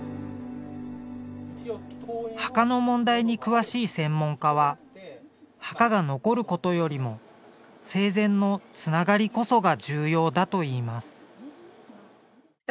墓の問題に詳しい専門家は墓が残ることよりも生前のつながりこそが重要だといいます。